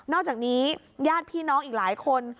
อกจากนี้ญาติพี่น้องอีกหลายคน